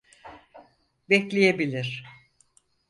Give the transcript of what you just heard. Bekleyebilir.